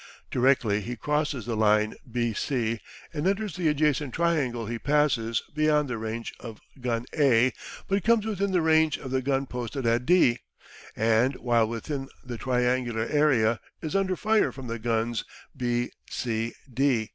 Directly he crosses the line B C and enters the adjacent triangle he passes beyond the range of gun A but comes within the range of the gun posted at D, and while within the triangular area is under fire from the guns B C D.